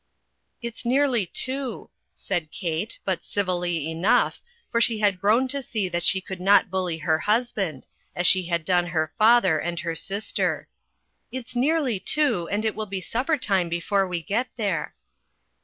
"It's nearly two," said Kate, but civilly enough, for she had grown to see that she could not bully her husband, as she had done her father and her sister; "it's nearly two, and it will be supper time before we get there."